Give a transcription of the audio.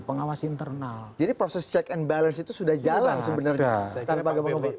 pengawas internal jadi proses check and balance itu sudah jalan sebenarnya saya kata kebanyakan